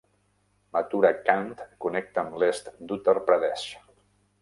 "Mathura Cantt" connecta amb l'est d'Uttar Pradesh.